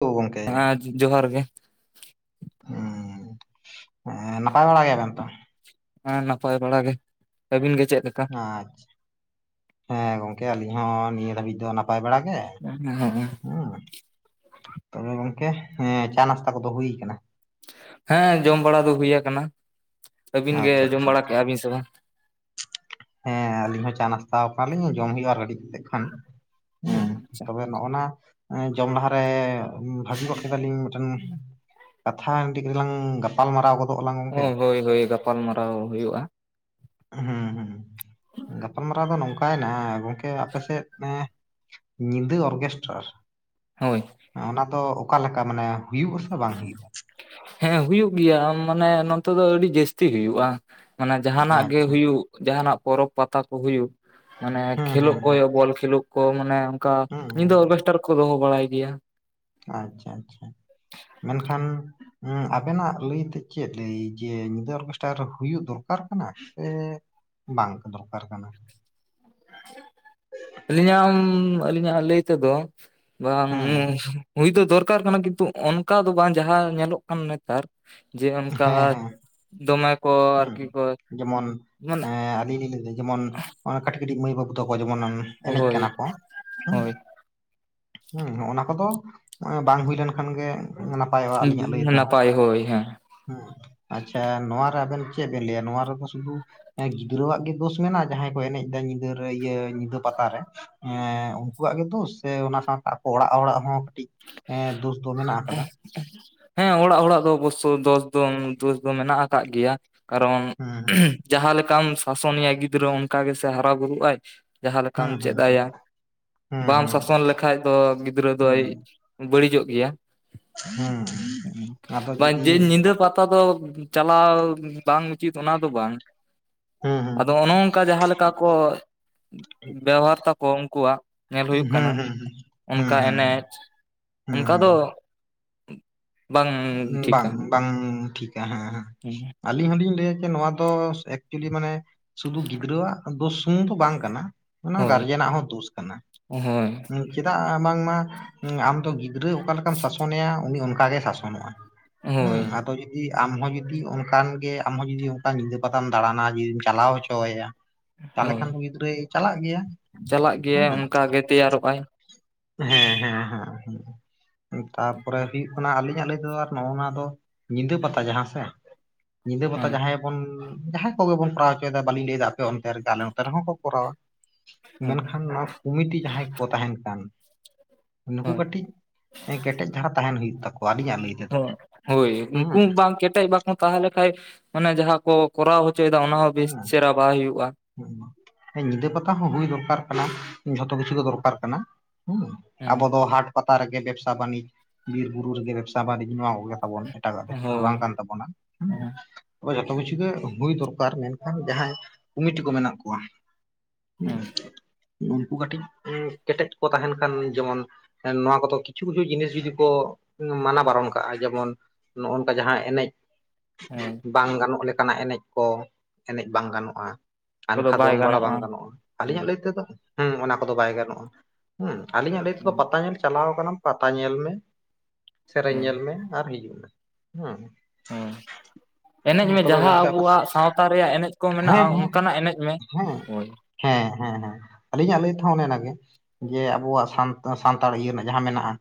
ᱛᱳ ᱜᱚᱝᱠᱮ ᱦᱮᱸ ᱡᱚᱦᱟᱨ ᱜᱮ [unintelligible] ᱱᱟᱯᱟᱭ ᱵᱟᱲᱟ ᱜᱮᱭᱟᱵᱮᱱ ᱛᱚ ᱦᱮᱸ ᱱᱟᱯᱟᱭ ᱵᱟᱲᱟ ᱜᱮ ᱟᱹᱵᱤᱱ ᱜᱮ ᱪᱮᱜ ᱞᱮᱠᱟ ᱟᱪᱪᱷᱟ ᱦᱮᱸ ᱜᱚᱝᱠᱮ ᱟᱹᱞᱤᱧ ᱦᱚᱸ ᱱᱤᱭᱟᱹ ᱫᱷᱟᱹᱵᱤᱡ ᱫᱚ ᱱᱟᱯᱟᱭ ᱵᱟᱲᱟ ᱜᱮ ᱦᱩᱸ ᱛᱚᱵᱮ ᱜᱚᱝᱠᱮ ᱦᱮᱸ ᱪᱟ ᱱᱟᱥᱛᱟ ᱠᱚᱫᱚ ᱦᱩᱭ ᱠᱟᱱᱟ ᱦᱮᱸ ᱡᱚᱢ ᱵᱟᱲᱟ ᱫᱚ ᱦᱩᱭ ᱠᱟᱱᱟ ᱟᱹᱵᱤᱱ ᱜᱮ ᱟᱪᱪᱷᱟ ᱡᱚᱢ ᱟᱪᱪᱷᱟ ᱵᱟᱲᱟ ᱠᱮᱜᱼᱟ ᱵᱤᱱ ᱥᱮ ᱵᱟᱝ ᱦᱮᱸ ᱟᱞᱤᱧ ᱦᱚᱸ ᱪᱟ ᱱᱟᱥᱛᱟ ᱠᱟᱱᱟᱞᱤᱧ ᱡᱚᱢ ᱦᱩᱭᱩᱜᱼᱟ ᱟᱨ ᱠᱟᱹᱴᱤᱡ ᱛᱮᱜ ᱠᱷᱟᱱ ᱦᱮᱸ ᱟᱪᱪᱷᱟ ᱛᱚᱵᱮ ᱱᱚᱜᱼᱚ ᱱᱟ ᱡᱚᱢ ᱞᱟᱦᱟᱨᱮ ᱵᱷᱟᱹᱜᱤ ᱜᱚᱫ ᱠᱮᱫᱟ ᱞᱤᱧ ᱢᱤᱫᱴᱮᱱ ᱠᱟᱛᱷᱟ ᱢᱤᱫᱴᱤᱡ ᱞᱟᱝ ᱜᱟᱯᱟ ᱜᱟᱞᱢᱟᱨᱟᱣ ᱜᱚᱫᱚᱜ ᱟᱞᱟᱝ ᱜᱚᱝᱠᱮ ᱦᱳᱭ ᱦᱳᱭ ᱦᱳᱭ ᱜᱟᱯᱟᱞ ᱢᱟᱨᱟᱣ ᱦᱳᱭᱳᱜᱼᱟ ᱦᱮᱸ ᱜᱟᱯᱟᱞᱢᱟᱨᱟᱣ ᱫᱚ ᱱᱚᱝᱠᱟᱭᱮᱱᱟ ᱜᱚᱝᱠᱮ ᱟᱯᱮᱥᱮᱫ ᱮᱸ ᱧᱤᱫᱟᱹ ᱚᱨᱜᱮᱥᱴᱟᱨ ᱦᱳᱭ ᱚᱱᱟ ᱫᱚ ᱚᱠᱟᱞᱮᱠᱟ ᱢᱟᱱᱮ ᱦᱩᱭᱩᱜ ᱟᱥᱮ ᱵᱟᱝ ᱦᱩᱭᱩᱜᱼᱟ ᱦᱮᱸ ᱦᱩᱭᱩᱜ ᱜᱮᱭᱟ ᱢᱟᱱᱮ ᱱᱚᱛᱮ ᱫᱚ ᱟᱹᱰᱤ ᱡᱟᱹᱥᱛᱤ ᱦᱩᱭᱩᱜᱼᱟ ᱚᱱᱟ ᱡᱟᱦᱟᱱᱟᱜ ᱜᱮ ᱟᱪᱪᱷᱟ ᱦᱩᱭᱩᱜ ᱡᱟᱦᱱᱟᱜ ᱯᱚᱨᱚᱵᱽ ᱯᱟᱛᱟ ᱠᱚ ᱦᱩᱭᱩᱜ ᱢᱟᱱᱮ ᱦᱩᱸ ᱦᱩᱸ ᱠᱷᱮᱞᱳᱜ ᱠᱚ ᱦᱩᱸ ᱦᱳᱭᱳᱜ ᱵᱚᱞ ᱠᱷᱮᱞᱳᱜ ᱠᱚ ᱢᱟᱱᱮ ᱚᱱᱠᱟ ᱦᱩᱸ ᱧᱤᱫᱟᱹ ᱦᱩᱸ ᱚᱨᱜᱮᱥᱴᱟᱨ ᱠᱚ ᱫᱚᱦᱚ ᱵᱟᱲᱟᱭ ᱜᱮᱭᱟ ᱟᱪᱪᱷᱟ ᱟᱪᱪᱷᱟ ᱢᱮᱱᱠᱷᱟᱱ ᱚᱸ ᱟᱵᱮᱱᱟᱜ ᱞᱟᱹᱭᱛᱮ ᱪᱮᱫ ᱞᱟᱹᱭ ᱡᱮ ᱧᱤᱫᱟᱹ ᱚᱨᱜᱮᱥᱴᱟᱨ ᱦᱩᱭᱩᱜ ᱫᱚᱨᱠᱟᱨ ᱠᱟᱱᱟ ᱥᱮ ᱵᱟᱝ ᱠᱚ ᱫᱚᱨᱠᱟᱨ ᱠᱟᱱᱟ ᱟᱹᱞᱤᱧᱟᱜ [unintelligible] ᱟᱹᱞᱤᱧᱟᱜ ᱞᱟᱹᱭ ᱛᱮᱫᱚ ᱵᱟᱝ ᱦᱮᱸ ᱦᱩᱭ ᱫᱚ ᱫᱚᱨᱠᱟᱨ ᱠᱟᱱᱟ ᱠᱤᱱᱛᱩ ᱚᱱᱠᱟ ᱫᱚ ᱵᱟᱝ ᱡᱟᱦᱟᱸ ᱧᱮᱞᱚᱜ ᱠᱟᱱ ᱱᱮᱛᱟᱨ ᱡᱮ ᱚᱱᱠᱟ ᱫᱚᱢᱮ ᱠᱚ ᱦᱩᱸ ᱟᱨᱠᱤ ᱠᱚ ᱡᱮᱢᱚᱱ ᱢᱟᱱᱮ ᱮᱸ ᱟᱹᱞᱤᱧ ᱞᱤᱧ ᱞᱟᱹᱭᱫᱟ ᱡᱮᱢᱚᱱ ᱠᱟᱹᱴᱤᱡ ᱠᱟᱹᱴᱤᱡ ᱢᱟᱹᱭ ᱵᱟᱹᱵᱩ ᱛᱟᱠᱚ ᱡᱮᱢᱚᱱ ᱮᱱᱮᱡ ᱦᱳᱭ ᱠᱟᱱᱟ ᱠᱚ ᱦᱩᱸ ᱦᱳᱭ ᱦᱮᱸ ᱚᱱᱟ ᱠᱚᱫᱚ ᱵᱟᱝ ᱦᱩᱭ ᱞᱮᱱᱠᱷᱟᱱ ᱜᱮ ᱱᱟᱯᱟᱭᱚᱜᱼᱟ ᱟᱹᱞᱤᱧᱟᱜ ᱞᱟᱹᱭ ᱛᱮᱦᱚᱸ ᱦᱳᱭ ᱦᱳᱭ ᱦᱮᱸ ᱦᱩᱸ ᱟᱪᱪᱷᱟ ᱱᱚᱣᱟ ᱨᱮ ᱟᱵᱮᱱ ᱪᱮᱜ ᱵᱮᱱ ᱞᱟᱹᱭᱟ ᱱᱚᱣᱟ ᱨᱮᱫᱚ ᱥᱩᱫᱷᱩ ᱮᱸ ᱜᱤᱫᱽᱨᱟᱹᱣᱟᱜ ᱜᱮ ᱫᱳᱥ ᱢᱮᱱᱟᱜᱼᱟ ᱡᱟᱦᱟᱸᱭ ᱠᱚ ᱮᱱᱮᱡ ᱫᱟ ᱧᱤᱫᱟᱹᱨᱮ ᱤᱭᱟᱹ ᱧᱤᱫᱟᱹ ᱯᱟᱛᱟᱨᱮ? ᱮᱸ ᱩᱝᱠᱩᱣᱟᱜ ᱜᱮ ᱛᱚ ᱥᱮ ᱚᱱᱟ ᱥᱟᱶᱛᱮ ᱟᱠᱚ ᱚᱲᱟᱜ ᱚᱲᱟᱜ ᱦᱚᱸ ᱠᱟᱹᱴᱤᱡ ᱮᱸ ᱫᱳᱥ ᱫᱚ ᱢᱮᱱᱟᱜ ᱟᱠᱟᱫᱟ᱾ ᱦᱮᱸ ᱚᱲᱟᱜ ᱦᱚᱲᱟᱜ ᱫᱚ ᱚᱵᱚᱥᱥᱳ ᱫᱚᱥ ᱫᱚ ᱫᱳᱥ ᱫᱚ ᱢᱮᱱᱟᱜ ᱟᱠᱟᱜ ᱜᱮᱭᱟ᱾ ᱠᱟᱨᱚᱱ ᱦᱮᱸ ᱡᱟᱦᱟᱸ ᱞᱮᱠᱟᱢ ᱥᱟᱥᱚᱱᱮᱭᱟ ᱜᱤᱫᱽᱨᱟᱹ ᱚᱝᱠᱟ ᱜᱮᱥᱮ ᱦᱟᱨᱟ ᱵᱩᱨᱩᱜ ᱟᱭ᱾ ᱡᱟᱦᱟᱸ ᱞᱮᱠᱟᱢ ᱦᱮᱸ ᱪᱮᱫ ᱦᱮᱸ ᱟᱭᱟ ᱦᱮᱸ ᱵᱟᱢ ᱦᱮᱸ ᱦᱮᱸ ᱥᱟᱥᱚᱱ ᱞᱮᱠᱷᱟᱡ ᱫᱚ ᱜᱤᱫᱽᱨᱟᱹ ᱫᱚᱭ ᱦᱮᱸ ᱵᱟᱹᱲᱤᱡᱚᱜ ᱜᱮᱭᱟ ᱦᱮᱸ ᱟᱫᱚ ᱵᱟᱝ ᱡᱩᱫᱤ ᱡᱮ ᱧᱤᱫᱟᱹ ᱯᱟᱛᱟ ᱛᱟ ᱫᱚ ᱪᱟᱞᱟᱣ ᱵᱟᱝ ᱩᱪᱤᱛ ᱚᱱᱟ ᱫᱚ ᱵᱟᱝ᱾ ᱦᱮᱸ ᱦᱮᱸ ᱟᱫᱚ ᱚᱱᱮ ᱚᱝᱠᱟ ᱡᱟᱦᱟᱸ ᱞᱮᱠᱟ ᱠᱚ ᱵᱮᱣᱦᱟᱨ ᱛᱟᱠᱚ ᱩᱝᱠᱩᱣᱟᱜ ᱧᱮᱞ ᱦᱩᱭᱩᱜ ᱠᱟᱱᱟ ᱦᱮᱸ ᱦᱮᱸ ᱦᱮᱸ ᱚᱱᱠᱟ ᱦᱮᱸ ᱦᱮᱸ ᱮᱱᱮᱡ ᱦᱮᱸ ᱚᱝᱠᱟ ᱫᱚ ᱦᱮᱸ ᱵᱟᱝ ᱵᱟᱝ ᱵᱟᱝ ᱴᱷᱤᱠᱟ ᱦᱮᱸ ᱦᱮᱸ ᱦᱮᱸ ᱟᱹᱞᱤᱧ ᱦᱚᱞᱤᱧ ᱞᱟᱹᱭᱟ ᱡᱮ ᱱᱚᱣᱟ ᱫᱚ ᱮᱠᱪᱩᱭᱮᱞᱤ ᱢᱟᱱᱮ ᱥᱩᱫᱩ ᱜᱤᱫᱽᱨᱟᱹᱣᱟᱜ ᱫᱚ ᱥᱳᱥ ᱥᱩᱢᱩᱝ ᱫᱚ ᱵᱟᱝ ᱠᱟᱱᱟ᱾ ᱚᱱᱟ ᱦᱳᱭ ᱜᱟᱨᱡᱮᱱᱟᱜ ᱦᱚᱸ ᱫᱳᱥ ᱠᱟᱱᱟ᱾ ᱦᱳᱭ ᱪᱮᱫᱟᱜ ᱵᱟᱝᱢᱟ ᱚᱸ ᱟᱢᱫᱚ ᱜᱤᱫᱽᱨᱟᱹ ᱚᱠᱟ ᱞᱮᱠᱟᱢ ᱥᱟᱥᱚᱱᱮᱭᱟ ᱩᱱᱤ ᱚᱱᱠᱟ ᱜᱮ ᱥᱟᱥᱚᱱᱚᱜᱼᱟ᱾ ᱦᱩᱸ ᱦᱳᱭ ᱟᱫᱚ ᱡᱤ ᱟᱢᱦᱚᱸ ᱡᱩᱫᱤ ᱚᱱᱠᱟᱱ ᱜᱮ ᱟᱢᱦᱚᱸ ᱡᱩᱫᱤ ᱚᱱᱠᱟ ᱧᱤᱫᱟᱹ ᱯᱟᱛᱟᱢ ᱫᱟᱬᱟᱱᱟ ᱡᱩᱫᱤᱢ ᱪᱟᱞᱟᱣ ᱦᱚᱪᱚᱣᱟᱭᱟ ᱛᱟᱦᱞᱮ ᱦᱳᱭ ᱠᱷᱟᱱ ᱫᱚ ᱜᱤᱫᱽᱨᱟᱹᱭ ᱪᱟᱞᱟᱜ ᱜᱮᱭᱟ ᱪᱟᱞᱟᱜ ᱦᱩᱸ᱾ ᱜᱮᱭᱟᱭ ᱚᱱᱠᱟ ᱜᱮ ᱛᱮᱭᱟᱨᱚᱜ ᱟᱭ ᱦᱮᱸ ᱦᱮᱸ ᱦᱮᱸ ᱛᱟᱯᱚᱨᱮ ᱦᱩᱭᱩᱜ ᱠᱟᱱᱟ ᱟᱹᱞᱤᱧᱟᱜ ᱞᱟᱹᱭ ᱫᱚ ᱱᱚᱜᱼᱱᱟ ᱫᱚ ᱧᱤᱫᱟᱹ ᱯᱟᱛᱟ ᱡᱟᱦᱟᱸ ᱥᱮ ᱧᱤᱫᱟᱹ ᱯᱟᱛᱟ ᱦᱳᱭ ᱡᱟᱦᱟᱸᱭ ᱵᱚᱱ ᱡᱟᱦᱟᱸᱭ ᱠᱚᱜᱮ ᱵᱚᱱ ᱠᱚᱨᱟᱣ ᱦᱚᱪᱚᱭᱮᱫᱟ ᱵᱟᱹᱞᱤᱧ ᱞᱟᱹᱭᱫᱟ ᱟᱯᱮ ᱚᱱᱛᱮ ᱨᱮᱜ ᱟᱞᱮ ᱱᱚᱛᱮ ᱨᱮᱦᱚᱸ ᱠᱚ ᱠᱚᱨᱟᱣᱟ᱾ ᱦᱳᱭ ᱢᱮᱱᱠᱷᱟᱱ ᱱᱚ ᱠᱩᱢᱤᱴᱤ ᱡᱟᱦᱟᱸᱭ ᱠᱚ ᱛᱟᱸᱦᱮᱱ ᱠᱟᱱ ᱱᱩᱠᱩ ᱦᱳᱭ ᱠᱟᱹᱴᱤᱡ ᱮᱸ ᱠᱮᱴᱮᱡ ᱫᱷᱟᱨᱟ ᱛᱟᱦᱮᱱ ᱦᱩᱭᱩᱜ ᱛᱟᱠᱚᱣᱟ ᱟᱹᱞᱤᱧᱟᱜ ᱞᱟᱹᱭ ᱛᱮᱫᱚ᱾ ᱦᱳᱭ ᱩᱝᱠᱩ ᱦᱩᱸ ᱵᱟᱝ ᱠᱮᱴᱮᱡ ᱵᱟᱠᱚ ᱛᱟᱦᱚᱞᱮᱠᱟᱱᱡ ᱟᱱᱮ ᱡᱟᱦᱟᱸ ᱠᱚ ᱠᱚᱨᱟᱣ ᱦᱚᱪᱚᱭᱮᱫᱟ ᱚᱱᱟ ᱦᱚᱸ ᱵᱮᱥ ᱦᱩᱸ ᱪᱮᱦᱨᱟ ᱵᱟᱭ ᱦᱩᱭᱩᱜᱼᱟ᱾ ᱦᱩᱸ ᱧᱤᱫᱟᱹ ᱯᱟᱛᱟ ᱦᱚᱸ ᱦᱩᱭ ᱫᱚᱨᱠᱟᱨ ᱠᱟᱱᱟ ᱡᱷᱚᱛᱚ ᱠᱤᱪᱷᱩ ᱜᱮ ᱫᱚᱨᱠᱟᱨ ᱠᱟᱱᱟ ᱦᱩᱸ᱾ ᱦᱳᱭ ᱟᱵᱚ ᱫᱚ ᱦᱟᱴ ᱯᱟᱛᱟ ᱨᱮᱜᱮ ᱵᱮᱵᱽᱥᱟ ᱵᱟᱹᱱᱤᱡᱽ ᱵᱤᱨ ᱵᱩᱨᱩ ᱨᱮᱜᱮ ᱵᱮᱵᱽᱥᱟ ᱵᱟᱹᱱᱤᱡᱽ ᱱᱚᱣᱟ ᱠᱚᱜᱮ᱾ ᱛᱟᱵᱚᱱ ᱮᱴᱟᱜᱟᱜ ᱫᱚ ᱪᱮᱫ ᱦᱚᱸ ᱦᱳᱭ ᱵᱟᱝ ᱠᱟᱱ ᱛᱟᱵᱚᱱᱟ ᱦᱮᱸ ᱦᱩᱸ ᱚᱭ ᱡᱚᱛᱚ ᱠᱤᱪᱷᱩ ᱜᱮ ᱦᱩᱭ ᱫᱚᱨᱠᱟᱨ ᱢᱮᱱᱠᱷᱟᱱ ᱡᱟᱦᱟᱸᱭ ᱠᱚᱢᱤᱴᱤ ᱠᱚ ᱢᱮᱱᱟᱜ ᱠᱚᱣᱟ ᱦᱮᱸ ᱩᱝᱠᱩ ᱠᱟᱹᱴᱤᱡ ᱠᱮᱴᱮᱡ ᱠᱚ ᱛᱟᱦᱮᱱ ᱠᱷᱟᱱ ᱡᱮᱢᱚᱱ ᱦᱮ ᱱᱚᱣᱟ ᱠᱚᱫᱚ ᱠᱤᱪᱷᱩ ᱠᱤᱪᱷᱩ ᱡᱤᱱᱤᱥ ᱡᱩᱫᱤ ᱠᱚ ᱢᱟᱱᱟ ᱵᱟᱨᱚᱱ ᱠᱟᱜᱼᱟ ᱡᱮᱢᱚᱱ ᱱᱚᱜᱼᱚ ᱱᱚᱝᱠᱟ ᱡᱟᱦᱟᱸ ᱮᱱᱮᱡ ᱦᱳᱭ ᱵᱟᱝ ᱜᱟᱱᱚᱜ ᱞᱮᱠᱟᱱᱟᱜ ᱮᱱᱮᱡ ᱠᱚ ᱮᱱᱮᱡ ᱵᱟᱝ ᱜᱟᱱᱚᱜᱼᱟ᱾ ᱠᱚᱫᱚ ᱟᱱᱠᱷᱟ ᱵᱟᱭ ᱫᱚᱱ ᱵᱟᱲᱟ ᱵᱟᱝ ᱜᱟᱱᱚᱜᱼᱟ ᱦᱮᱸ ᱟᱹᱞᱤᱧᱟᱜ ᱞᱟᱹᱭ ᱛᱮᱫᱚ ᱦᱚᱸ ᱚᱱᱟ ᱠᱚᱫᱚ ᱵᱟᱭ ᱜᱟᱱᱚᱜᱼᱟ᱾ ᱦᱮᱸ ᱟᱞᱤᱧᱟᱜ ᱞᱟᱹᱭ ᱛᱮᱫᱚ ᱯᱟᱛᱟ ᱧᱮᱞ ᱪᱟᱞᱟᱣ ᱟᱠᱟᱱᱟᱢ ᱯᱟᱛᱟ ᱧᱮᱞ ᱢᱮ ᱥᱮᱨᱮᱧ ᱧᱮᱞ ᱦᱳᱭ ᱢᱮ ᱟᱨ ᱦᱤᱡᱩᱜ ᱢᱮ ᱦᱮᱸ᱾ ᱦᱳᱭ ᱮᱱᱮᱡ ᱢᱮ ᱛᱚᱵᱮ ᱡᱟᱦᱟᱸ ᱜᱚᱝᱠᱮ ᱟᱯᱮ ᱟᱵᱚᱣᱟᱜ ᱥᱟᱶᱛᱟ ᱨᱮᱭᱟᱜ ᱮᱱᱮᱡ ᱠᱚ ᱢᱮᱱᱟᱜᱼᱟ, ᱦᱮᱸ ᱦᱮᱸ ᱚᱝᱠᱟᱱᱟᱜ ᱮᱱᱮᱡ ᱢᱮ᱾ ᱦᱮᱸ ᱦᱳᱭ ᱦᱮᱸ ᱦᱮᱸ ᱦᱮᱸ ᱟᱹᱞᱤᱧᱟᱜ ᱞᱟᱹᱭ ᱛᱮᱦᱚᱸ ᱚᱱᱮ ᱚᱱᱟᱜᱮ᱾ ᱡᱮ ᱟᱵᱚᱣᱟᱜ ᱥᱟᱱᱛᱟ ᱥᱟᱱᱛᱟᱲ ᱤᱭᱟᱹ ᱨᱮᱱᱟᱜ ᱡᱟᱦᱟᱸ ᱢᱮᱱᱟᱜᱼᱟ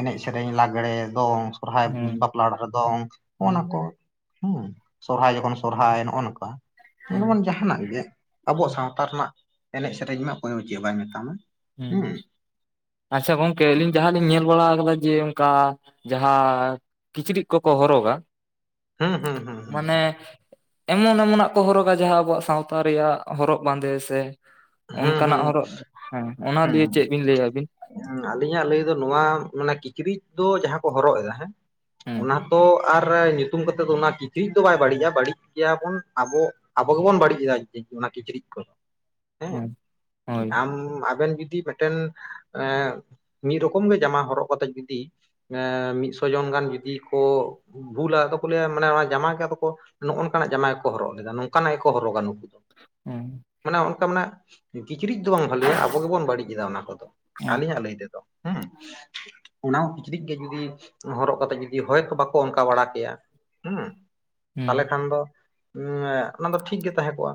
ᱮᱱᱮᱡ ᱥᱮᱨᱮᱧ ᱞᱟᱜᱽᱲᱮ ᱫᱚᱝ ᱥᱚᱨᱦᱟᱭ ᱦᱩᱸ ᱵᱟᱯᱞᱟ ᱚᱲᱟᱜ ᱨᱮ ᱫᱚᱝ ᱦᱩᱸ ᱱᱚᱜᱼᱱᱟ ᱠᱚ ᱦᱚᱸ ᱥᱚᱨᱦᱟᱭ ᱡᱚᱠᱷᱚᱱ ᱥᱚᱨᱦᱟᱭ ᱱᱚᱜᱼᱚ ᱱᱚᱠᱟ ᱦᱩᱸ [unintelligible] ᱡᱟᱦᱟᱱᱟᱜ ᱜᱮ ᱟᱵᱚᱣᱟᱜ ᱥᱟᱶᱛᱟ ᱨᱮᱱᱟᱜ ᱮᱱᱮᱡ ᱥᱮᱨᱮᱧ ᱢᱟ ᱚᱠᱚᱭ ᱫᱚ ᱪᱮᱫ ᱵᱟᱭ ᱢᱮᱛᱟᱢᱟ᱾ ᱦᱮᱸ ᱟᱪᱪᱷᱟ ᱜᱚᱝᱠᱮ ᱟᱹᱞᱤᱧ ᱡᱟᱦᱟᱸᱞᱤᱧ ᱧᱮᱞ ᱵᱟᱲᱟ ᱠᱟᱫᱟ ᱡᱮ ᱚᱝᱠᱟ ᱡᱟᱦᱟᱸ ᱠᱤᱪᱨᱤᱜ ᱠᱚᱠᱚ ᱦᱚᱨᱚᱜᱟ ᱦᱮᱸ ᱦᱮᱸ ᱦᱮᱸ ᱢᱟᱱᱮ ᱮᱢᱚᱱ ᱮᱢᱚᱱᱟᱜ ᱠᱚ ᱦᱚᱨᱚᱜᱟ ᱡᱟᱦᱟᱸ ᱟᱵᱚᱣᱟᱜ ᱥᱟᱶᱛᱟ ᱨᱮᱭᱟᱜ ᱦᱚᱨᱚᱜ ᱵᱟᱸᱫᱮ ᱥᱮ ᱦᱮᱸ ᱚᱱᱠᱟᱱᱟᱜ ᱦᱮᱸ ᱦᱚᱨᱚᱜ ᱦᱮᱸ ᱚᱱᱟ ᱞᱤᱭᱟ ᱪᱮᱫ ᱵᱤᱱ ᱞᱟᱹᱭᱟ ᱟᱹᱵᱤᱱ ᱟᱞᱤᱧᱟᱜ ᱞᱟᱹᱭ ᱫᱚ ᱱᱚᱣᱟ ᱢᱟᱱᱮ ᱠᱤᱪᱨᱤᱡ ᱫᱚ ᱡᱟᱦᱟᱸ ᱠᱚ ᱦᱚᱨᱚᱜ ᱮᱫᱟ ᱦᱮᱸ ᱦᱮᱸ ᱚᱱᱟ ᱛᱚ ᱟᱨ ᱧᱩᱛᱩᱢ ᱠᱟᱛᱮᱫ ᱫᱚ ᱚᱱᱟ ᱠᱤᱪᱨᱤᱡ ᱫᱚ ᱵᱟᱭ ᱵᱟᱹᱲᱤᱡᱼᱟ ᱵᱟᱹᱲᱤᱡ ᱜᱮᱭᱟᱵᱚᱱ ᱟᱵᱚ ᱟᱵᱚ ᱜᱮᱵᱚᱱ ᱵᱟᱹᱲᱤᱡ ᱮᱫᱟ ᱚᱱᱟ ᱠᱤᱪᱨᱤᱡ ᱠᱚᱫᱚ ᱦᱮᱸ ᱦᱳᱭ ᱟᱢ ᱟᱵᱮᱱ ᱡᱩᱫᱤ ᱢᱤᱫᱴᱮᱱ ᱢᱤᱫ ᱨᱚᱠᱚᱢ ᱜᱮ ᱡᱟᱢᱟ ᱦᱚᱨᱚᱜ ᱠᱟᱛᱮᱜ ᱡᱩᱫᱤ ᱮ ᱢᱤᱫᱥᱚ ᱡᱚᱱ ᱜᱟᱱ ᱡᱩᱫᱤ ᱠᱚ ᱵᱷᱩᱞᱟ ᱟᱫᱚ ᱠᱚ ᱞᱟᱹᱭᱟ ᱢᱟᱱᱮ ᱚᱱᱟ ᱡᱟᱢᱟ ᱜᱮ ᱟᱫᱚ ᱱᱚᱜᱼ ᱱᱚᱝᱱᱟᱜ ᱡᱟᱢᱟ ᱠᱚᱠᱚ ᱦᱚᱨᱚᱜ ᱞᱮᱫᱟ ᱱᱚᱝᱠᱟᱱᱟᱜ ᱜᱮᱠᱚ ᱦᱚᱨᱚᱜᱟ ᱱᱩᱠᱩ ᱦᱮᱸ ᱢᱟᱱᱮ ᱚᱱᱠᱟ ᱢᱟᱱᱮ ᱠᱤᱪᱨᱤᱡ ᱫᱚ ᱵᱟᱝ ᱵᱷᱟᱹᱞᱮᱭᱟ ᱟᱵᱚ ᱜᱮᱵᱚᱱ ᱵᱟᱹᱲᱤᱡ ᱮᱫᱟ ᱚᱱᱟ ᱠᱚᱫᱚ ᱦᱮᱸ ᱟᱹᱞᱤᱧᱟᱜ ᱞᱟᱹᱭ ᱛᱮᱫᱚ ᱦᱮᱸ ᱚᱱᱟ ᱦᱚᱸ ᱠᱤᱪᱨᱤᱡ ᱜᱮ ᱡᱩᱫᱤ ᱦᱚᱨᱚᱜ ᱠᱟᱛᱮᱜ ᱡᱩᱫᱤ ᱦᱚᱭ ᱵᱟᱠᱚ ᱚᱱᱠᱟ ᱵᱟᱲᱟ ᱠᱮᱭᱟ ᱦᱮᱸ ᱛᱟᱦᱞᱮ ᱦᱮᱸ ᱠᱷᱟᱱ ᱫᱚ ᱚᱱᱟ ᱫᱚ ᱴᱷᱤᱠᱜᱮ ᱛᱟᱦᱮᱸ ᱠᱚᱜᱼᱟ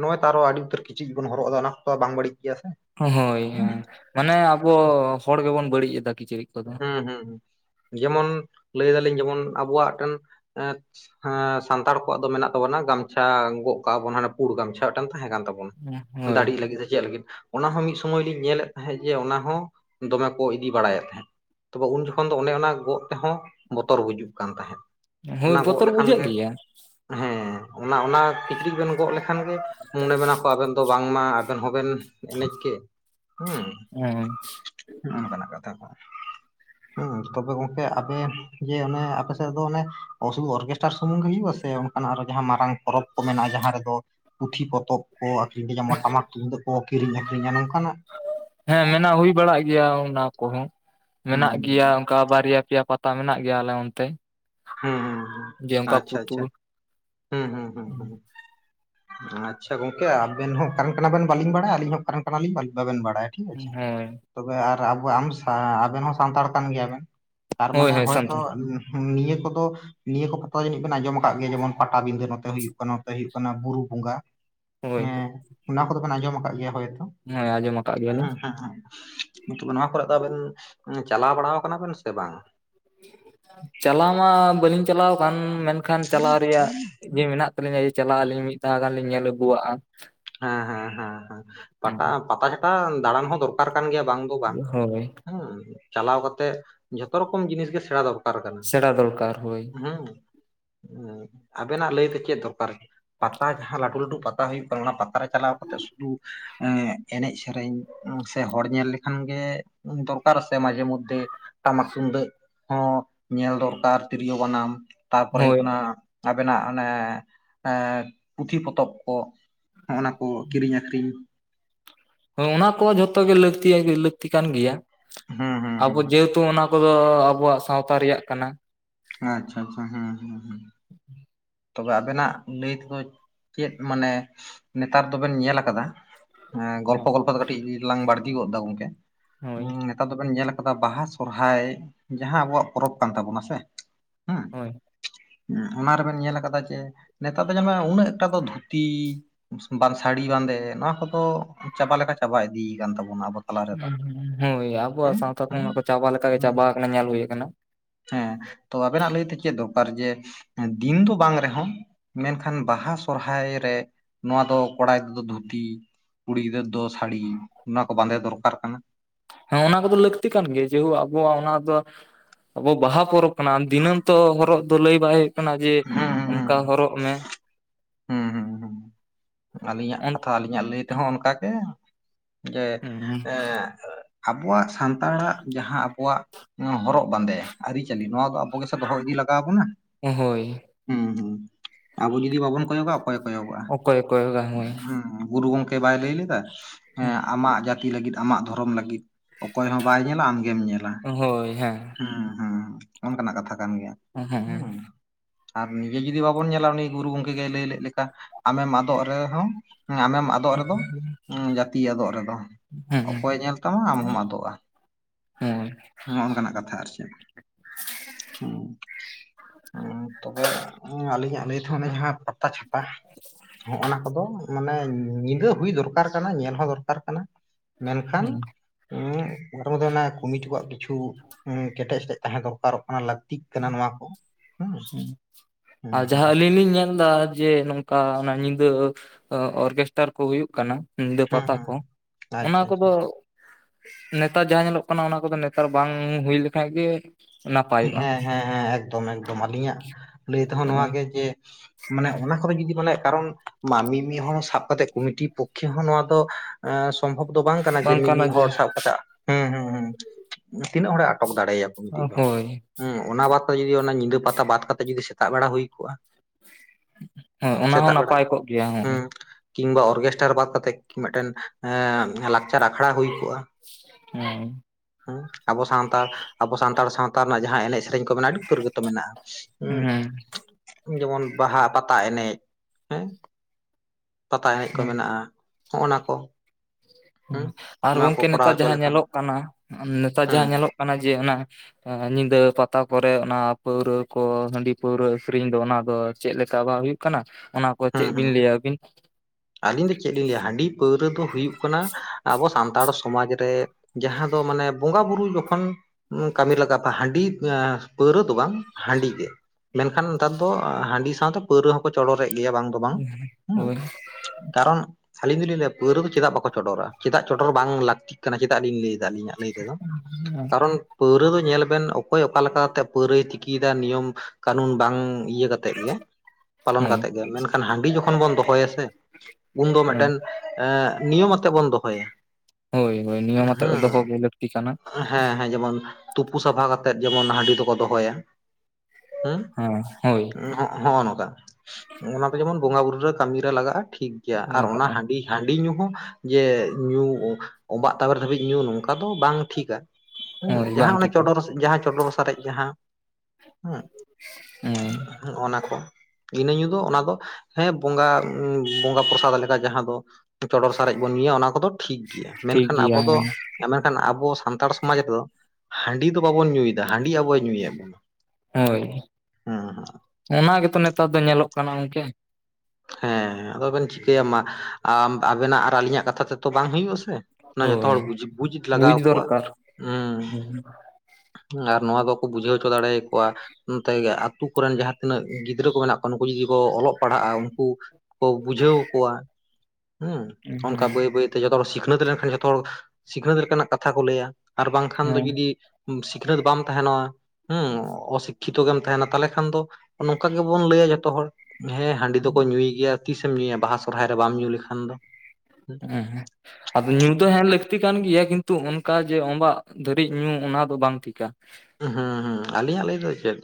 ᱱᱚᱜᱼᱚᱭ ᱛᱚ ᱟᱨᱚ ᱟᱹᱰᱤ ᱩᱛᱟᱹᱨ ᱠᱤᱪᱨᱤᱪᱤ ᱦᱚᱨᱚᱜ ᱫᱚ ᱚᱱᱟᱦᱚ ᱵᱟᱝ ᱵᱟᱹᱲᱤᱡ ᱜᱮ ᱥᱮ ᱦᱳᱭ ᱦᱮᱸ ᱢᱟᱱᱮ ᱟᱵᱚ ᱦᱚᱲ ᱜᱮᱵᱚᱱ ᱵᱟᱹᱲᱤᱡ ᱮᱫᱟ ᱠᱤᱪᱨᱤᱡ ᱠᱚᱫᱚ ᱦᱮᱸ ᱦᱮᱸ ᱦᱮᱸ ᱡᱮᱢᱚᱱ ᱞᱟᱹᱭ ᱫᱟᱞᱤᱧ ᱡᱮᱢᱚᱱ ᱟᱵᱚᱣᱟᱜ ᱢᱤᱫᱴᱮᱱ ᱦᱮᱸ ᱥᱟᱱᱛᱟᱲ ᱠᱚᱣᱟᱜ ᱫᱚ ᱢᱮᱱᱟᱜ ᱛᱟᱵᱚᱱᱟ ᱜᱟᱢᱪᱷᱟ ᱜᱚᱜ ᱠᱟᱜᱼᱟ ᱵᱚᱱ ᱦᱟᱱᱮ ᱯᱩᱲ ᱜᱟᱢᱪᱷᱟ ᱢᱤᱫᱴᱮᱱ ᱛᱟᱦᱮᱸ ᱠᱟᱱ ᱛᱟᱵᱚᱱᱟ ᱦᱳᱭ ᱫᱟᱹᱲᱦᱤᱜ ᱞᱟᱹᱜᱤᱫ ᱥᱮ ᱪᱮᱫ ᱞᱟᱹᱜᱤᱫ ᱚᱱᱟ ᱦᱚᱸ ᱢᱤᱫ ᱥᱩᱢᱚᱭ ᱞᱤᱧ ᱧᱮᱞᱮᱫ ᱛᱟᱦᱮᱸᱜ ᱡᱮ ᱚᱱᱟ ᱦᱚᱸ ᱫᱚᱢᱮ ᱠᱚ ᱤᱫᱤ ᱵᱟᱲᱟᱭᱮᱫ ᱛᱟᱦᱮᱸᱫ ᱛᱚᱵᱮ ᱩᱱ ᱡᱚᱠᱷᱚᱱ ᱫᱚ ᱚᱱᱮ ᱚᱱᱟ ᱜᱚᱜ ᱛᱮᱦᱚᱸ ᱵᱚᱛᱚᱨ ᱵᱩᱡᱩᱜ ᱠᱟᱱ ᱛᱟᱦᱮᱸᱫ ᱦᱳᱭ ᱚᱱᱟ ᱜᱚᱜ ᱵᱚᱛᱚᱨ ᱞᱮᱠᱷᱟᱱ ᱵᱩᱡᱷᱟᱹᱜ ᱜᱮ ᱜᱮᱭᱟ ᱦᱮᱸ ᱚᱱᱟ ᱚᱱᱟ ᱠᱤᱪᱨᱤᱡ ᱵᱮᱱ ᱜᱚᱜ ᱞᱮᱠᱷᱟᱱ ᱜᱮ ᱢᱚᱱᱮ ᱢᱮ ᱠᱚ ᱟᱵᱮᱱ ᱫᱚ ᱵᱟᱝᱢᱟ ᱟᱵᱮᱱ ᱦᱚᱸᱵᱮᱱ ᱮᱱᱮᱡ ᱠᱮ ᱦᱮᱸ ᱦᱮᱸ ᱚᱱᱠᱟᱱᱟᱜ ᱠᱟᱛᱷᱟ ᱠᱚ ᱦᱮᱸ ᱛᱚᱵᱮ ᱜᱚᱝᱠᱮ ᱟᱯᱮ ᱡᱮ ᱚᱱᱮ ᱟᱯᱮᱥᱮᱫ ᱫᱚ ᱚᱱᱮ ᱚ ᱥᱩᱫᱩ ᱚᱨᱠᱮᱥᱴᱟᱨ ᱥᱩᱢᱩᱝ ᱜᱮ ᱦᱳᱭᱳᱜ ᱟ ᱥᱮ ᱟᱨᱚ ᱡᱟᱦᱟᱸ ᱢᱟᱨᱟᱝ ᱯᱚᱨᱚᱵᱽ ᱠᱚ ᱢᱮᱱᱟᱜᱼᱟ ᱡᱟᱦᱟᱸ ᱨᱮᱫᱚ ᱯᱩᱛᱷᱤ ᱯᱚᱛᱚᱵ ᱠᱚ ᱟᱹᱠᱷᱨᱤᱧ ᱠᱚ ᱧᱟᱢᱚᱜ ᱴᱟᱢᱟᱠ ᱛᱩᱢᱫᱟᱹᱜ ᱠᱚ ᱠᱤᱨᱤᱧ ᱟᱠᱷᱨᱤᱧᱟ ᱱᱚᱝᱠᱟᱱᱟᱜ ᱦᱮᱸ ᱢᱮᱱᱟᱜ ᱦᱩᱭ ᱵᱟᱲᱟᱜ ᱜᱮᱭᱟ ᱚᱱᱟ ᱠᱚᱦᱚᱸ ᱦᱩᱸ ᱢᱮᱱᱟᱜ ᱜᱮᱭᱟ ᱦᱩᱸ ᱚᱱᱠᱟ ᱵᱟᱨᱭᱟ ᱯᱮᱭᱟ ᱯᱟᱛᱟ ᱛᱟ ᱢᱮᱱᱟᱜ ᱜᱮᱭᱟ ᱟᱞᱮ ᱚᱱᱛᱮ ᱦᱩᱸ ᱦᱩᱸ ᱦᱩᱸ ᱡᱮ ᱚᱱᱠᱟ ᱟᱪᱪᱷᱟ ᱯᱩᱛᱩᱞ ᱟᱪᱪᱷᱟ ᱦᱩᱸ ᱦᱩᱸ ᱦᱩᱸ ᱦᱩᱸ ᱟᱪᱪᱷᱟ ᱜᱚᱝᱠᱮ ᱟᱵᱮᱱ ᱦᱚᱸ ᱚᱠᱟᱨᱮᱱ ᱠᱟᱱᱟ ᱵᱮᱱ ᱵᱟᱞᱤᱧ ᱵᱟᱲᱟᱭᱟ ᱟᱹᱞᱤᱧ ᱦᱚᱸ ᱚᱠᱟᱨ ᱠᱟᱱᱟᱞᱤᱧ ᱵᱟᱵᱮᱱ‌ ᱵᱟᱲᱟᱭᱟ ᱴᱷᱤᱠ ᱟᱪᱷᱮ ᱦᱳᱭ ᱛᱚᱵᱮ ᱟᱨ ᱟᱵᱚ ᱟᱢ ᱟᱵᱮᱱ ᱦᱚᱸ ᱥᱟᱱᱛᱟᱲ ᱠᱟᱱ ᱜᱮᱭᱟ ᱵᱮᱱ ᱦᱳᱭ ᱛᱟᱨᱢᱟᱱᱮ ᱦᱳᱭ ᱦᱚᱭᱛᱚ ᱥᱟᱱᱛᱟᱲ ᱱᱤᱭᱟᱹ ᱠᱚᱫᱚ ᱱᱤᱭᱟᱹ ᱠᱚ ᱯᱟᱛᱟ ᱡᱟᱹᱱᱤᱡ ᱵᱮᱱ ᱟᱸᱡᱚᱢ ᱠᱟᱜ ᱜᱮᱭᱟ ᱡᱮᱢᱚᱱ ᱯᱟᱴᱟᱵᱤᱫᱟᱹ ᱱᱚᱛᱮ ᱦᱩᱭᱩᱜ ᱠᱟᱱᱟ ᱱᱚᱛᱮ ᱦᱩᱭᱩᱜ ᱠᱟᱱᱟ ᱵᱩᱨᱩ ᱵᱚᱸᱜᱟ ᱦᱳᱭ ᱦᱮᱸ ᱚᱱᱟ ᱠᱚᱫᱚ ᱵᱮᱱ ᱟᱸᱡᱚᱢ ᱟᱠᱟᱫ ᱜᱮᱭᱟ ᱦᱳᱭᱛᱚ ᱦᱮᱸ ᱟᱸᱡᱚᱢ ᱠᱟᱜ ᱜᱮᱭᱟ ᱞᱤᱧ ᱦ ᱦ [unintelligible] ᱱᱚᱣᱟ ᱠᱚᱨᱮ ᱫᱚ ᱟᱵᱮᱱ ᱪᱟᱞᱟᱣ ᱵᱟᱲᱟ ᱠᱟᱱᱟ ᱵᱮᱱ ᱥᱮ ᱵᱟᱝ ᱪᱟᱞᱟᱣ ᱢᱟ ᱵᱟᱹᱞᱤᱧ ᱪᱟᱞᱟᱣ ᱟᱠᱟᱱ ᱢᱮᱱᱠᱷᱟᱱ ᱪᱟᱞᱟᱣ ᱨᱮᱭᱟᱜ ᱡᱮ ᱢᱮᱱᱟᱜ ᱛᱟᱹᱞᱤᱧᱟ ᱡᱮ ᱪᱟᱞᱟᱜ ᱟᱹᱞᱤᱧ ᱢᱤᱫ ᱫᱷᱟᱟ ᱜᱟᱱ ᱞᱤᱧ ᱧᱮᱞ ᱟᱹᱜᱩᱣᱟᱜᱼᱟ ᱦᱮᱸ ᱦᱮᱸ ᱦᱮᱸ ᱯᱟᱴᱟ ᱯᱟᱛᱟ ᱪᱷᱟᱛᱟ ᱫᱟᱲᱟᱱ ᱦᱚᱸ ᱫᱚᱨᱠᱟᱨ ᱠᱟᱱ ᱜᱮᱭᱟ ᱵᱟᱝ ᱵᱟᱝ ᱦᱳᱭ ᱦᱮᱸ ᱪᱟᱞᱟᱣ ᱠᱟᱛᱮᱜ ᱡᱷᱚᱛᱚ ᱨᱚᱠᱚᱢ ᱡᱤᱱᱤᱥ ᱜᱮ ᱥᱮᱬᱟ ᱫᱚᱨᱠᱟᱨ ᱥᱮᱬᱟ ᱫᱚᱨᱠᱟᱨ ᱦᱳᱭ ᱦᱩᱸ ᱟᱵᱮᱱᱟᱜ ᱞᱟᱹᱭ ᱛᱮ ᱪᱮᱫ ᱫᱚᱨᱠᱟᱨ ᱯᱟᱛᱟ ᱡᱟᱦᱟᱸ ᱞᱟᱹᱴᱩ ᱞᱟᱹᱴᱩ ᱯᱟᱛᱟ ᱦᱩᱭᱩᱜ ᱚᱱᱟ ᱯᱟᱛᱟ ᱨᱮ ᱪᱟᱞᱟᱣ ᱠᱟᱛᱮ ᱥᱩᱫᱩ ᱮᱱᱮᱡ ᱥᱮᱨᱮᱧ ᱥᱮ ᱦᱚᱲ ᱧᱮᱞ ᱞᱮᱠᱷᱟᱱ ᱜᱮ ᱫᱚᱨᱠᱟᱨ ᱥᱮ ᱢᱟᱡᱷᱮ ᱢᱚᱫᱽᱫᱷᱮ ᱴᱟᱢᱟᱠ ᱛᱩᱢᱫᱟᱹᱜ ᱦᱚᱸ ᱧᱮᱞ ᱫᱚᱨᱠᱟᱨ ᱛᱤᱨᱭᱳ ᱵᱟᱱᱟᱢ ᱛᱟᱨᱯᱚᱨᱮ ᱦᱩᱭᱩᱜ ᱦᱳᱭ ᱠᱟᱱᱟ ᱟᱵᱮᱱᱟᱜ ᱚᱱᱮ ᱯᱩᱛᱷᱤ ᱯᱚᱛᱚᱵ ᱠᱚ ᱚᱱᱟ ᱠᱚ ᱠᱤᱨᱤᱧ ᱟᱠᱠᱷᱨᱤᱧ ᱚᱱᱟ ᱠᱚ ᱡᱷᱚᱛᱚ ᱜᱮ ᱞᱟᱹᱠ ᱞᱟᱹᱠᱛᱤ ᱠᱟᱱ ᱜᱮᱭᱟ ᱦᱩᱸ ᱦᱩᱸ ᱦᱩᱸ ᱟᱵᱚ ᱡᱮᱦᱮᱛᱩ ᱚᱱᱟ ᱠᱚᱫᱚ ᱟᱵᱚᱣᱟᱜ ᱥᱟᱶᱛᱟ ᱨᱮᱭᱟᱜ ᱠᱟᱱᱟ ᱟᱪᱪᱷᱟ ᱟᱪᱪᱷᱟ ᱦᱮᱸ ᱦᱮᱸ ᱛᱚᱵᱮ ᱟᱵᱮᱱᱟᱜ ᱞᱟᱹᱭ ᱛᱮᱫᱚ ᱪᱮᱫ ᱢᱟᱱᱮ ᱱᱮᱛᱟᱨ ᱫᱚᱵᱮᱱ ᱧᱮᱞ ᱠᱟᱫᱟ ᱜᱚᱞᱯᱷᱚ ᱜᱚᱞᱯᱷᱚ ᱫᱚ ᱠᱟᱹᱴᱤᱡ ᱞᱟᱝ ᱵᱟᱹᱲᱛᱤ ᱜᱚ ᱫᱟ ᱜᱚᱝᱠᱮ ᱦᱳᱭ [unintelligible] ᱱᱮᱛᱟᱨ ᱫᱚᱵᱮᱱ ᱧᱮᱞ ᱠᱟᱫᱟ ᱵᱟᱦᱟ ᱥᱚᱨᱦᱟᱭ ᱡᱟᱦᱟᱸ ᱟᱵᱚᱣᱟᱜ ᱯᱚᱨᱚᱵ ᱠᱟᱱ ᱛᱟᱵᱚᱱᱟ ᱥᱮ ᱦᱟᱸ ᱦᱳᱭ ᱚᱱᱟ ᱨᱮᱵᱮᱱ ᱧᱮᱞ ᱠᱟᱫᱟ ᱡᱮ ᱱᱮᱛᱟᱨ ᱫᱚ ᱧᱮᱞ ᱢᱮ ᱩᱱᱟᱹᱜᱴᱟ ᱫᱚ ᱫᱷᱩᱛᱤ ᱵᱟᱝ ᱥᱟᱹᱲᱤ ᱵᱟᱸᱫᱮ ᱱᱚᱣᱟ ᱠᱚᱫᱚ ᱪᱟᱵᱟ ᱞᱮᱠᱟ ᱪᱟᱵᱟ ᱤᱫᱤ ᱠᱟᱱ ᱛᱟᱵᱚᱱᱟ ᱟᱵᱚ ᱛᱟᱞᱟ ᱨᱮᱫᱚ ᱦᱳᱭ ᱟᱵᱚᱣᱟᱜ ᱦᱮᱸ ᱥᱟᱶᱛᱟ ᱦᱮᱸ ᱠᱚᱢᱟ ᱪᱟᱵᱟ ᱞᱮᱠᱟ ᱜᱮ ᱪᱟᱵᱟ ᱟᱠᱟᱱᱟ ᱧᱮᱞ ᱦᱩᱭ ᱟᱠᱟᱱᱟ ᱦᱮᱸ ᱛᱚ ᱟᱵᱮᱱᱟᱜ ᱞᱟᱹᱭ ᱛᱮ ᱪᱮᱫ ᱫᱚᱨᱠᱟᱨ ᱡᱮ ᱫᱤᱱ ᱫᱚ ᱵᱟᱝ ᱨᱮᱦᱚᱸ ᱢᱮᱱᱠᱷᱟᱱ ᱵᱟᱦᱟ ᱥᱚᱨᱦᱟᱭ ᱨᱮ ᱱᱚᱣᱟ ᱫᱚ ᱠᱚᱲᱟ ᱜᱤᱫᱽᱨᱟᱹ ᱫᱚ ᱫᱷᱩᱛᱤ ᱠᱩᱲᱤ ᱜᱤᱫᱽᱨᱟᱹ ᱫᱚ ᱥᱟᱹᱲᱤ ᱚᱱᱟ ᱠᱚ ᱵᱟᱸᱫᱮ ᱫᱚᱨᱠᱟᱨ ᱠᱟᱱᱟ ᱦᱚᱸ ᱚᱱᱟ ᱠᱚᱫᱚ ᱞᱟᱹᱠᱛᱤ ᱠᱟᱱ ᱜᱮ ᱡᱮᱦᱩ ᱟᱵᱚᱣᱟᱜ ᱚᱱᱟ ᱫᱚ ᱟᱵᱚ ᱵᱟᱦᱟ ᱯᱚᱨᱚᱵ ᱠᱟᱱᱟ ᱫᱤᱱᱟᱹᱢ ᱛᱚ ᱦᱚᱨᱚᱜ ᱫᱚ ᱞᱟᱹᱭ ᱵᱟᱭ ᱠᱟᱱᱟ ᱡᱮ ᱦᱩᱸ ᱦᱩᱸ ᱚᱱᱠᱟ ᱦᱚᱨᱚᱜ ᱢᱮ ᱦᱩᱸ ᱦᱩᱸ ᱦᱩᱸ ᱟᱹᱞᱤᱧᱟᱜ ᱚᱱ ᱠᱟᱛᱷᱟ ᱟᱹᱞᱤᱧᱟᱜ ᱞᱟᱹᱭ ᱛᱮᱦᱚᱸ ᱚᱱᱠᱟ ᱜᱮ ᱡᱮ ᱦᱩᱸ, ᱮᱸᱜ ᱟᱵᱚᱣᱟᱜ ᱥᱟᱱᱛᱟᱲᱟᱜ ᱡᱟᱦᱟᱸ ᱟᱵᱚᱣᱟᱜ ᱦᱚᱨᱚᱜ ᱵᱟᱸᱫᱮ ᱟᱹᱨᱤᱪᱟᱹᱞᱤ ᱱᱚᱣᱟ ᱫᱚ ᱟᱵᱚ ᱜᱮᱥᱮ ᱫᱚᱦᱚ ᱤᱫᱤ ᱞᱟᱜᱟᱣ ᱟᱵᱚᱱᱟ ᱦᱳᱭ ᱦᱩᱸ ᱦᱩᱸ ᱟᱵᱚ ᱡᱩᱫᱤ ᱵᱟᱵᱚᱱ ᱠᱚᱭᱚᱜᱟ ᱚᱠᱚᱭᱮ ᱠᱚᱭᱚᱜᱟᱜ ᱼᱟ ᱚᱠᱚᱭ ᱠᱚᱭᱚᱜᱟ ᱦᱚᱭ ᱜᱩᱨᱩ ᱜᱚᱝᱠᱮ ᱵᱟᱭ ᱞᱟᱹᱭ ᱞᱮᱫᱟ ᱦᱩᱸ, ᱦᱮᱸ ᱟᱢᱟᱜ ᱡᱟᱹᱛᱤ ᱞᱟᱹᱜᱤᱫ ᱟᱢᱟᱜ ᱫᱷᱚᱨᱚᱢ ᱞᱟᱹᱜᱤᱫ ᱚᱠᱚᱭ ᱦᱚᱸ ᱵᱟᱭ ᱧᱮᱞᱟ ᱟᱢᱜᱮᱢ ᱧᱮᱞᱟ ᱦᱳᱭ ᱦᱮᱸ ᱦᱩᱸ ᱦᱩᱸ ᱱᱚᱝᱠᱟᱱᱟᱜ ᱠᱟᱛᱷᱟ ᱠᱟᱱ ᱜᱮᱭᱟ ᱦᱮᱸ ᱟᱨ ᱱᱤᱡᱮ ᱡᱩᱫᱤ ᱵᱟᱵᱚᱱ ᱧᱮᱞᱟ ᱩᱱᱤ ᱜᱩᱨᱩ ᱜᱚᱝᱠᱮ ᱜᱮ ᱞᱟᱹᱭ ᱞᱮᱫ ᱞᱮᱠᱟ ᱟᱢᱮᱢ ᱟᱫᱚᱜ ᱨᱮᱦᱚᱸ ᱟᱢᱮᱢ ᱟᱫᱚᱜ ᱨᱮᱫᱚ ᱡᱟᱹᱛᱤ ᱟᱫᱚᱜ ᱨᱮᱫᱚ ᱦᱮᱸ ᱦᱮᱸ ᱚᱠᱚᱭ ᱧᱮᱞ ᱛᱟᱢᱟ ᱟᱢ ᱦᱚᱢ ᱟᱫᱚᱜᱼᱟ ᱦᱳᱭ ᱱᱚᱜᱼ ᱱᱚᱝᱠᱟᱱᱟᱜ ᱠᱟᱛᱷᱟ ᱟᱨ ᱪᱮᱫ ᱦᱮᱸ ᱛᱚᱵᱮ ᱟᱹᱞᱤᱧᱟᱜ ᱞᱟᱹᱭ ᱛᱮᱫᱚ ᱡᱟᱦᱟᱸ ᱯᱟᱛᱟ ᱪᱷᱟᱛᱟ [inaudible] ᱦᱚᱜᱼ ᱱᱟ ᱠᱚᱫᱚ ᱢᱟᱱᱮ ᱧᱤᱫᱟᱹ ᱦᱩᱭ ᱫᱚᱨᱠᱟᱨ ᱠᱟᱱᱟ ᱧᱮᱞ ᱦᱚᱸ ᱫᱚᱨᱠᱟᱨ ᱠᱟᱱᱟ ᱢᱮᱱᱠᱷᱟᱱ ᱦᱩᱸ᱾ [unintelligible] ᱚᱱᱟ ᱠᱚᱢᱤᱴᱤ ᱠᱚᱣᱟᱜ ᱠᱤᱪᱷᱩ ᱠᱮᱴᱮᱡ ᱥᱮᱴᱮᱡ ᱛᱟᱦᱮᱸ ᱫᱚᱨᱠᱟᱨᱚᱜ ᱠᱟᱱᱟ ᱞᱟᱹᱠ ᱦᱩᱸ ᱟᱨ ᱦᱩᱸ ᱡᱟᱦᱟᱸ ᱟᱹᱞᱤᱧ ᱞᱤᱧ ᱧᱮᱞᱫᱟ ᱡᱮ ᱱᱚᱝ ᱠᱟ ᱚᱱᱟ ᱧᱤᱫᱟᱹ ᱚᱨᱠᱮᱥᱴᱟᱨ ᱠᱚ ᱦᱩᱭᱩᱜ ᱠᱟᱱᱟ ᱧᱤᱫᱟᱹ ᱦᱩᱸ ᱯᱟᱛᱟ ᱠᱚ ᱦᱩᱸ ᱚᱱᱟ ᱟᱪᱪᱷᱟ ᱟᱪᱪᱷᱟ ᱠᱚᱫᱚ ᱱᱮᱛᱟᱨ ᱡᱟᱦᱟᱸ ᱧᱮᱞᱚᱜ ᱠᱟᱱᱟ ᱚᱱᱟ ᱠᱚᱫᱚ ᱱᱮᱛᱟᱨ ᱵᱟᱝ ᱦᱩᱭ ᱞᱮᱠᱷᱟᱡ ᱜᱮ ᱱᱟᱯᱟᱭᱚᱜᱼᱟ ᱦᱮᱸ ᱦᱮᱸ ᱦᱮᱸ ᱮᱠᱫᱚᱢ ᱮᱠᱫᱚᱢ ᱟᱞᱤᱧᱟᱜ ᱞᱟᱹᱭ ᱛᱮᱦᱚᱸ ᱱᱚᱣᱟᱜ ᱦᱚᱸᱜᱼᱚᱭ ᱜᱮ ᱡᱮ ᱢᱟᱱᱮ ᱚᱱᱟ ᱠᱚᱨᱮ ᱡᱩᱫᱤ ᱢᱟᱱᱮ ᱠᱟᱨᱚᱱ ᱢᱟᱢᱤ ᱢᱤᱫ ᱦᱚᱲ ᱥᱟᱵ ᱠᱟᱛᱮᱫ ᱠᱚᱢᱤᱴᱤ ᱯᱚᱠᱷᱮ ᱦᱚᱸ ᱱᱚᱣᱟ ᱫᱚ ᱥᱚᱢᱵᱷᱚᱵ ᱫᱚ ᱵᱟᱝ ᱠᱟᱱᱟ ᱡᱮ ᱢᱤᱢᱤᱫ ᱦᱚᱲ ᱥᱟᱵ ᱠᱟᱛᱮ ᱦᱮᱸ ᱦᱩᱸ ᱦᱩᱸ ᱛᱤᱱᱟᱹᱜ ᱦᱚᱲᱟᱜ ᱟᱴᱚᱠ ᱫᱟᱲᱮᱭᱟᱠᱚ ᱢᱤᱫᱤᱛ ᱫᱚ ᱦᱳᱭ ᱦᱩᱸ ᱚᱱᱟ ᱵᱟᱫ ᱛᱮ ᱡᱩᱫᱤ ᱚᱱᱟ ᱧᱤᱫᱟᱹ ᱯᱟᱛᱟ ᱵᱟᱫ ᱠᱟᱛᱮ ᱡᱩᱫᱤ ᱥᱮᱛᱟᱜ ᱵᱮᱲᱟ ᱦᱩᱭ ᱠᱚᱜᱼᱟ ᱦᱳᱭ ᱚᱱᱟ ᱦᱚᱸ ᱥᱮᱛᱟᱜ ᱵᱮᱲᱟ ᱱᱟᱯᱟᱭ ᱠᱚᱜ ᱜᱮᱭᱟ ᱦᱩᱸ ᱦᱚᱸᱜᱼᱚᱭ ᱠᱤᱱᱵᱟ ᱚᱨᱜᱮᱥᱴᱟᱨ ᱵᱟᱫ ᱠᱟᱛᱮᱜ ᱢᱤᱫᱴᱮᱱ ᱮᱸ ᱞᱟᱠᱪᱟᱨ ᱟᱠᱷᱲᱟ ᱦᱩᱭ ᱠᱚᱜᱼᱟ ᱦᱮᱸ ᱦᱮᱸ ᱟᱵᱚ ᱥᱟᱱᱛᱟᱲ ᱟᱵᱚ ᱥᱟᱱᱛᱟᱲ ᱥᱟᱶᱛᱟ ᱨᱮᱱᱟᱜ ᱡᱟᱦᱟᱸ ᱮᱱᱮᱡ ᱥᱮᱨᱮᱧ ᱠᱚ ᱢᱮᱱᱟᱜᱼᱟ ᱟᱹᱰᱤ ᱩᱛᱟᱹᱨ ᱜᱚᱛᱚ ᱢᱮᱱᱟᱜᱼᱟ ᱦᱮᱸ ᱮᱸ ᱡᱮᱢᱚᱱ ᱵᱟᱦᱟ ᱯᱟᱛᱟ ᱮᱱᱮᱡ ᱦᱮᱸ ᱯᱟᱛᱟ ᱮᱱᱮᱡ ᱠᱚ ᱦᱮᱸ ᱢᱮᱱᱟᱜᱼᱟ ᱦᱚᱜ ᱱᱟ ᱠᱚ ᱦᱮ ᱦᱮᱸ ᱟᱨ ᱱᱚᱣᱟ ᱠᱚ ᱜᱚᱝᱠᱮ ᱠᱚᱨᱟᱣ ᱱᱮᱛᱟᱨ ᱦᱚᱪᱚ ᱡᱟᱦᱟᱸ ᱞᱮᱠᱷᱟᱱ ᱧᱮᱞᱚᱜ ᱠᱟᱱᱟ ᱱᱮᱛᱟᱨ ᱦᱮᱸ ᱡᱟᱦᱟᱸ ᱧᱮᱞᱚᱜ ᱠᱟᱱᱟ ᱡᱮ ᱚᱱᱟ ᱧᱤᱫᱟᱹ ᱯᱟᱛᱟ ᱠᱚᱨᱮ ᱚᱱᱟ ᱯᱟᱹᱣᱨᱟᱹ ᱠᱚ ᱦᱟᱺᱰᱤ ᱯᱟᱹᱣᱨᱟᱹ ᱟᱹᱠᱨᱤᱧ ᱫᱚ ᱚᱱᱟ ᱫᱚ ᱪᱮᱫ ᱞᱮᱠᱟ ᱵᱟᱝ ᱦᱩᱭᱩᱜ ᱠᱟᱱᱟ ᱠᱟᱱᱟ ᱚᱱᱟ ᱠᱚ ᱦᱮᱸ ᱪᱮᱫ ᱦᱮᱸ ᱵᱤᱱ ᱞᱟᱹᱭᱟ ᱟᱵᱤᱱ ᱟᱹᱞᱤᱧ ᱫᱚ ᱪᱮᱫ ᱞᱤᱧ ᱞᱟᱹᱭᱟ ᱦᱟᱺᱰᱤ ᱯᱟᱹᱣᱨᱟᱹ ᱫᱚ ᱦᱩᱭᱩᱜ ᱠᱟᱱᱟ ᱟᱵᱚ ᱥᱟᱱᱛᱟᱲ ᱥᱚᱢᱟᱡᱽ ᱨᱮ ᱡᱟᱦᱟᱸ ᱫᱚ ᱢᱟᱱᱮ ᱵᱚᱸᱜᱟ ᱵᱩᱨᱩ ᱡᱚᱠᱷᱚᱱ ᱠᱟᱹᱢᱤ ᱞᱟᱜᱟᱜᱼᱟ ᱦᱟᱺᱰᱤ ᱯᱟᱹᱣᱨᱟᱹ ᱫᱚ ᱵᱟᱝ ᱦᱟᱺᱰᱤ ᱜᱮ ᱢᱮᱱᱠᱷᱟᱱ ᱱᱮᱛᱟᱨ ᱫᱚ ᱦᱟᱺᱰᱤ ᱥᱟᱶᱛᱮ ᱯᱟᱹᱣᱨᱟᱹ ᱦᱚᱸᱠᱚ ᱪᱚᱰᱚᱨᱮᱫ ᱜᱮᱭᱟ ᱵᱟᱝ ᱫᱚ ᱵᱟᱝ ᱦᱮᱸ ᱦᱳᱭ ᱠᱟᱨᱚᱱ ᱟᱹᱞᱤᱧ ᱫᱚᱞᱤᱧ ᱞᱟᱹᱭᱟ ᱯᱟᱹᱣᱨᱟᱹ ᱫᱚ ᱪᱮᱫᱟᱜ ᱵᱟᱠᱚ ᱪᱚᱰᱚᱨᱟ ᱪᱮᱫᱟᱜ ᱪᱚᱰᱚᱨ ᱵᱟᱝ ᱞᱟᱹᱠᱛᱤᱜ ᱠᱟᱱᱟ ᱪᱮᱫᱟᱜ ᱞᱤᱧ ᱞᱟᱹᱭ ᱫᱟ ᱟᱹᱞᱤᱧᱟᱜ ᱞᱟᱹᱭ ᱛᱮᱫᱚ ᱦᱳᱭ ᱠᱟᱨᱚᱱ ᱯᱟᱹᱣᱨᱟᱹ ᱫᱚ ᱧᱮᱞ ᱵᱮᱱ ᱚᱠᱚᱭ ᱚᱠᱟ ᱞᱮᱠᱟᱛᱮ ᱯᱟᱹᱣᱨᱟᱹᱭ ᱛᱤᱠᱤᱭᱮᱫᱟ ᱱᱤᱭᱚᱢ ᱠᱟᱹᱱᱩᱱ ᱵᱟᱝ ᱤᱭᱟᱹ ᱠᱟᱛᱮ ᱠᱟᱛᱮ ᱜᱮ ᱯᱟᱞᱚᱱ ᱠᱟᱛᱮ ᱜᱮ ᱢᱮᱱᱠᱷᱟᱱ ᱦᱟᱺᱰᱤ ᱡᱚᱠᱷᱚᱱ ᱵᱚᱱ ᱫᱚᱦᱚᱭᱟ ᱥᱮ ᱩᱱ ᱫᱚ ᱦᱳᱭ ᱢᱤᱫᱴᱮᱱ ᱮᱸ ᱱᱤᱭᱚᱢ ᱟᱛᱮᱜ ᱵᱚᱱ ᱫᱚᱦᱚᱭᱟ᱾ ᱦᱳᱭ ᱦᱳᱭ ᱱᱤᱭᱚᱢ ᱟᱛᱮ ᱦᱮᱸ ᱫᱚᱦᱚ ᱜᱮ ᱞᱟᱹᱠᱛᱤ ᱠᱟᱱᱟ᱾ ᱦᱮᱸ ᱦᱮᱸ ᱡᱮᱢᱚᱱ ᱛᱩᱯᱩ ᱥᱟᱯᱷᱟ ᱠᱟᱛᱮᱜ ᱡᱮᱢᱚᱱ ᱦᱟᱺᱰᱤ ᱫᱚᱠᱚ ᱫᱚᱦᱚᱭᱟ᱾ [unintelligible] ᱦᱮᱸ ᱦᱳᱭ ᱦᱚᱜᱼᱚᱭ ᱱᱚᱝᱠᱟ ᱱᱚ ᱚᱱᱟᱛᱮ ᱡᱮᱢᱚᱱ ᱵᱚᱸᱜᱟ ᱵᱩᱨᱩ ᱨᱮ ᱠᱟᱹᱢᱤ ᱨᱮ ᱞᱟᱜᱟᱜᱼᱟ ᱴᱷᱤᱠ ᱜᱮᱭᱟ ᱟᱨ ᱚᱱᱟ ᱞᱟᱜᱟᱜᱼᱟ ᱦᱟᱺᱰᱤ ᱦᱟᱺᱰᱤ ᱧᱩ ᱦᱚᱸ ᱡᱮ ᱧᱩ ᱚᱵᱟᱸᱜ ᱛᱟᱵᱮᱨ ᱫᱷᱟᱹᱵᱤᱡ ᱧᱩ ᱱᱚᱝᱠᱟ ᱫᱚ ᱵᱟᱝ ᱴᱷᱤᱠᱟ ᱦᱮᱸ ᱦᱳᱭ ᱡᱟᱦᱟᱸ ᱵᱟᱝ ᱚᱱᱮ ᱴᱷᱤᱠᱟ ᱪᱚᱰᱚᱨ ᱡᱟᱦᱟᱸ ᱪᱚᱰᱚᱨ ᱥᱟᱨᱮᱡ ᱡᱟᱦᱟᱸ ᱦᱮᱸ ᱦᱮᱸ ᱦᱚᱜᱼᱱᱟ ᱠᱚ ᱤᱱᱟᱹ ᱧᱩ ᱫᱚ ᱚᱱᱟ ᱫᱚ ᱦᱮᱸ ᱵᱚᱸᱜᱟ ᱵᱚᱸᱜᱟ ᱯᱨᱚᱥᱟᱫᱽ ᱞᱮᱠᱟ ᱡᱟᱦᱟᱸ ᱫᱚ ᱪᱚᱰᱚᱨ ᱥᱟᱨᱮᱡ ᱵᱚᱱ ᱧᱩᱭᱟ ᱚᱱᱟ ᱠᱚᱫᱚ ᱴᱷᱤᱠ ᱜᱮᱭᱟ, ᱴᱷᱤᱠ ᱢᱮᱱᱠᱷᱟᱱ ᱜᱮᱭᱟ ᱟᱵᱚ ᱫᱚ ᱦᱮᱸ ᱢᱮᱱᱠᱷᱟᱱ ᱟᱵᱚ ᱥᱟᱱᱛᱟᱲ ᱥᱚᱢᱟᱡᱽ ᱨᱮᱫᱚ ᱦᱟᱺᱰᱤ ᱫᱚ ᱵᱟᱵᱚᱱ ᱧᱩᱭᱮᱫᱟ ᱦᱟᱺᱰᱤ ᱟᱵᱚᱭ ᱧᱩᱭᱮᱫ ᱵᱚᱱᱟ᱾ ᱦᱳᱭ ᱦᱮᱸ ᱚᱱᱟ ᱜᱮᱛᱚ ᱱᱮᱛᱟᱨ ᱫᱚ ᱧᱮᱞᱚᱜ ᱠᱟᱱᱟ ᱜᱚᱝᱠᱮ᱾ ᱦᱮᱸ ᱟᱫᱚᱵᱮᱱ ᱪᱤᱠᱟᱹᱭᱟ ᱢᱟ ᱵᱮᱱᱟᱜ ᱟᱨ ᱟᱹᱞᱤᱧᱟᱜ ᱠᱟᱛᱷᱟ ᱛᱮᱛᱚ ᱵᱟᱝ ᱦᱩᱭᱩᱜ ᱟᱥᱮ ᱚᱱᱟ ᱡᱚᱛᱚ ᱦᱳᱭ ᱦᱚᱲ ᱵᱩᱡᱽ ᱞᱟᱜᱟᱣ ᱠᱚᱣᱟ ᱦᱮᱸ ᱟᱨ ᱱᱚᱣᱟ ᱫᱚᱠᱚ ᱵᱩᱡᱷᱟᱹᱣ ᱦᱚᱪᱚ ᱫᱟᱲᱮᱭᱟ ᱠᱚᱣᱟ ᱱᱚ ᱛᱮ ᱟᱛᱳ ᱠᱚᱨᱮᱱ ᱡᱟᱦᱟᱸ ᱛᱤᱱᱟᱹᱜ ᱜᱤᱫᱽᱨᱟᱹ ᱠᱚ ᱢᱮᱱᱟᱜ ᱠᱚᱣᱟ᱾ ᱱᱩᱠᱩ ᱡᱩᱫᱤ ᱠᱚ ᱚᱞᱚᱜ ᱯᱟᱲᱦᱟᱜᱼᱟ᱾ ᱠᱚ ᱵᱩᱡᱷᱟᱹᱣ ᱠᱚᱣᱟ ᱦᱮᱸ ᱦᱮᱸ ᱚᱱᱠᱟ ᱵᱟᱹᱭ ᱵᱟᱹᱭ ᱡᱚᱛᱚ ᱦᱚᱲ ᱥᱤᱠᱷᱱᱟᱹᱛ ᱞᱮᱱᱠᱷᱟᱱ ᱡᱷᱚᱛᱚ ᱦᱚᱲ ᱥᱤᱠᱷᱱᱟᱹᱛ ᱞᱮᱠᱟᱱᱟᱜ ᱠᱟᱛᱷᱟ ᱠᱚ ᱞᱟᱹᱭᱟ ᱟᱨ ᱵᱟᱝᱠᱷᱟᱱ ᱫᱚ ᱡᱩᱫᱤ ᱥᱤᱠᱷᱱᱟᱹᱛ ᱵᱟᱢ ᱛᱟᱦᱮ ᱱᱟ ᱦᱮᱸ ᱚᱥᱤᱠᱠᱷᱤᱛᱚ ᱜᱮᱢ ᱛᱟᱦᱮᱱᱟ ᱛᱟᱦᱚᱞᱮ ᱠᱷᱟᱱ ᱫᱚ ᱱᱚᱝᱠᱟ ᱜᱮᱵᱚᱱ ᱞᱟᱹᱭᱟ ᱡᱚᱛᱚ ᱦᱚᱲ᱾ ᱦᱮᱸ ᱦᱟᱺᱰᱤ ᱫᱚᱠᱚ ᱧᱩᱭ ᱜᱮᱭᱟ ᱛᱤᱥᱮᱢ ᱧᱩᱭᱟ ᱵᱟᱦᱟ ᱥᱚᱨᱦᱟᱭ ᱨᱮ ᱵᱟᱢ ᱧᱩ ᱞᱮᱠᱷᱟᱱ ᱫᱚ᱾ [unintelligible] ᱟᱫᱚ ᱧᱩ ᱫᱚ ᱦᱮᱸ ᱞᱟᱹᱠᱛᱤ ᱠᱟᱱ ᱜᱮᱭᱟ ᱠᱤᱱᱛᱩ ᱚᱱᱠᱟ ᱡᱮ ᱚᱢᱵᱟᱜ ᱫᱷᱟᱹᱨᱤᱡ ᱧᱩ ᱚᱱᱟ ᱫᱚ ᱵᱟᱝ ᱴᱷᱤᱠᱟ᱾ ᱦᱩᱸ ᱟᱹᱞᱤᱧᱟᱜ ᱞᱟᱹᱭ ᱫᱚ ᱪᱮᱫ